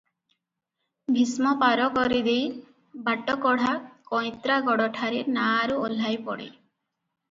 ଭୀଷ୍ମ ପାର କରି ଦେଇ ବାଟକଢ଼ା କଇଁତ୍ରାଗଡଠାରେ ନାଆରୁ ଓହ୍ଲାଇ ପଡ଼େ ।